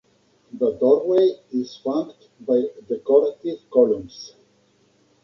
The doorway is flanked by decorative columns.